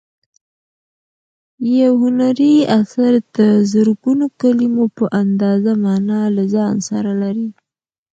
یو هنري اثر د زرګونو کلیمو په اندازه مانا له ځان سره لري.